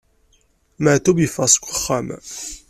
Maɛṭub yeffeɣ seg uxxam.